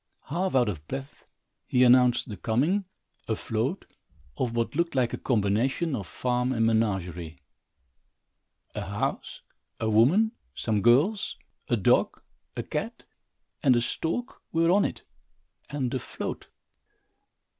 Half out of breath, he announced the coming, afloat, of what looked like a combination of farm and menagerie. A house, a woman, some girls, a dog, a cat, and a stork were on it and afloat.